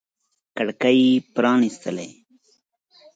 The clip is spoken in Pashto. کړکۍ پرانیستلي